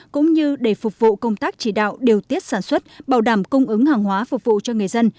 cũng như để phục vụ công tác chỉ đạo điều tiết sản xuất bảo đảm cung ứng hàng hóa phục vụ cho người dân